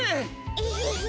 エヘヘ！